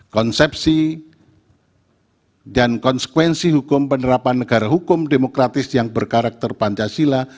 konsepsi dan konsekuensi hukum penerapan negara hukum demokratis yang berkarakter pancasila